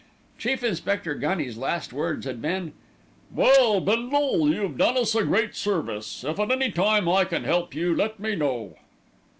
Chief Inspector Gunny's last words had been, "Well, Bindle, you've done us a great service. If at any time I can help you, let me know."